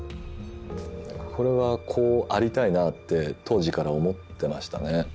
これはこうありたいなって当時から思ってましたね。